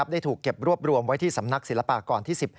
ได้ถูกเก็บรวบรวมไว้ที่สำนักศิลปากรที่๑๑